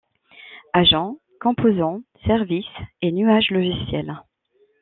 Agents, composants, services et nuages logiciels.